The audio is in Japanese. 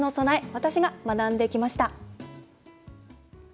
私が学んできました！